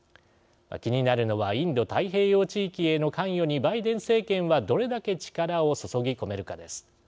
気になるのはインド太平洋地域への関与にバイデン政権はどれだけ力を注ぎ込めるかです。